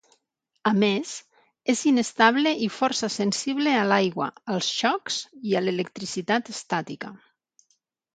A més, és inestable i força sensible a l'aigua, als xocs i a l'electricitat estàtica.